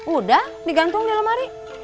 udah digantung di lemari